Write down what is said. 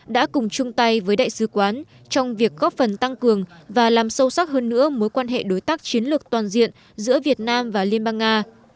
đã cùng chung tay với đại sứ quán trong việc góp phần tăng cường và làm sâu sắc hơn nữa mối quan hệ đối tác chiến lược toàn diện giữa việt nam và liên bang nga